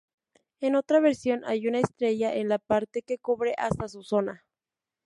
En otra versión, hay una estrella en la parte que cubre hasta su "zona".